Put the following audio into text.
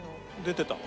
出てた。